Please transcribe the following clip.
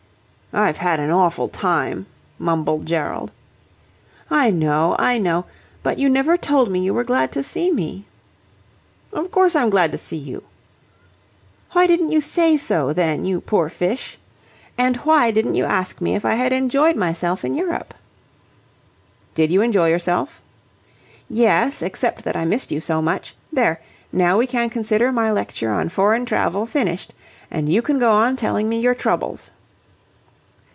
"I've had an awful time," mumbled Gerald. "I know, I know. But you never told me you were glad to see me." "Of course I'm glad to see you." "Why didn't you say so, then, you poor fish? And why didn't you ask me if I had enjoyed myself in Europe?" "Did you enjoy yourself?" "Yes, except that I missed you so much. There! Now we can consider my lecture on foreign travel finished, and you can go on telling me your troubles."